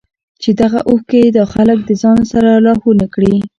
چې دغه اوښکې ئې دا خلک د ځان سره لاهو نۀ کړي